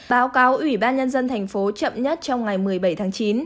báo cáo ủy ban nhân dân thành phố chậm nhất trong ngày một mươi bảy tháng chín